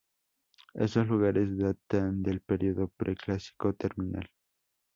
Estos lugares datan del período Preclásico Terminal.